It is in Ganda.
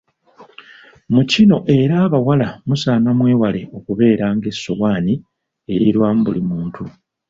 Mu kino era abawala musaana mwewalae okubeera ng'essowaani erirwamu buli muntu.